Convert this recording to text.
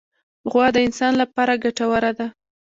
غوا د انسان له پاره ګټوره ده.